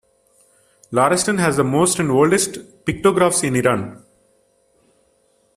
Lorestan has the most and oldest pictographs in Iran.